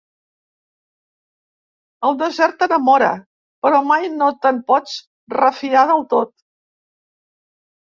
El desert t'enamora, però mai no te'n pots refiar del tot.